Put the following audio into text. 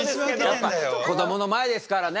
やっぱこどもの前ですからね。